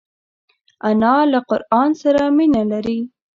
انا له قران سره مینه لري